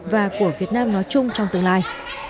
và của việt nam nói chung trong tương lai